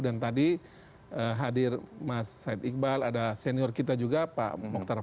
dan tadi hadir mas said iqbal ada senior kita juga pak mokhtar pak